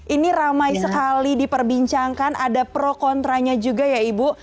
ini ramai sekali diperbincangkan ada pro kontranya juga ya ibu